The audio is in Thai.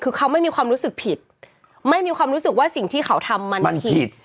คือเขาไม่มีความรู้สึกผิดไม่มีความรู้สึกว่าสิ่งที่เขาทำมันผิด